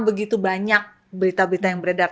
begitu banyak berita berita yang beredar